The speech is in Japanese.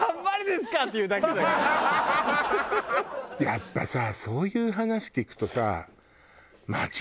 やっぱさそういう話聞くとさ。